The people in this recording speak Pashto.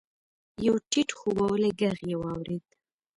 يو ټيټ خوبولی ږغ يې واورېد.